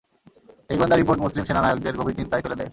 এ গোয়েন্দা রিপোর্ট মুসলিম সেনানায়কদের গভীর চিন্তায় ফেলে দেয়।